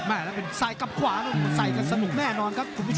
แล้วเป็นใส่กับขวาใส่กันสนุกแน่นอนครับคุณผู้ชม